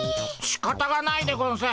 しかたがないでゴンス。